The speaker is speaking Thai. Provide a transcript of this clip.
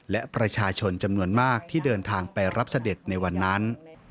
และประชาชนจำนวนมากที่เดินทางไปรับเสด็จในวันนั้น